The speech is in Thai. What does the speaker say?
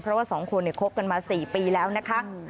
เพราะว่าสองคนเนี่ยคบกันมา๔ปีแล้วนะคะ